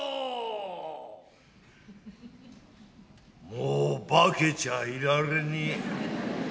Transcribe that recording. もう化けちゃいられねえや。